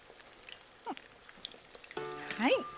はい。